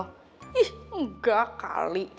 ih enggak kali